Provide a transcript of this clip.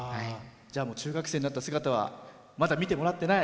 中学生になった姿はまだ見てもらってない。